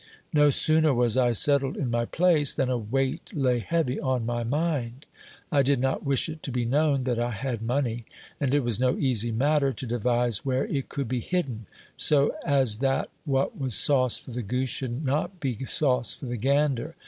No sooner was I settled in my place, than a weight lay heavy on my mind. I did not wish it to be known that I had money ; and it was no easy matter to devise where it could be hidden, so as that what was sauce for the goose should not be sauce for the gander.